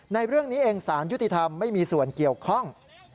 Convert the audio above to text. ในเรื่องนี้เองสารยุติธรรมไม่มีส่วนเกี่ยวข้อง